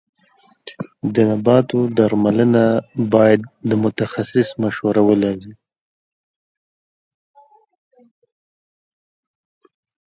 د نباتو درملنه باید د متخصص مشوره ولري.